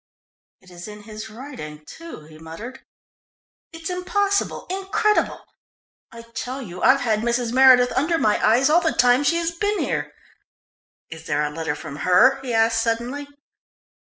"It is in his writing, too," he muttered. "It's impossible, incredible! I tell you I've had Mrs. Meredith under my eyes all the time she has been here. Is there a letter from her?" he asked suddenly.